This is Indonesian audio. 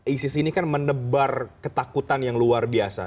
isis ini kan menebar ketakutan yang luar biasa